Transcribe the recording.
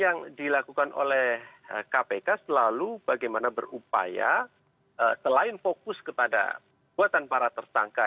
yang dilakukan oleh kpk selalu bagaimana berupaya selain fokus kepada buatan para tersangka